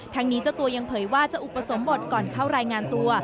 ทั้งนี้เจ้าตัวยังเผยว่าจะอุปสมบทก่อนเข้ารายงานตัว